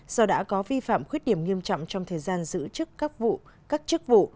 do đã có vi phạm khuyết điểm nghiêm trọng trong thời gian giữ chức các vụ các chức vụ